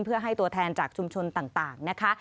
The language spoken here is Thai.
เพื่อให้ตัวแทนจากชุมชนต่างนะคะ